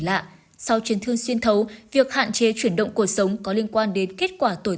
lạ sau chấn thương xuyên thấu việc hạn chế chuyển động cuộc sống có liên quan đến kết quả tổ